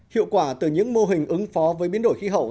hiệu quả từ những mô hình ứng phó với biến đổi khí hậu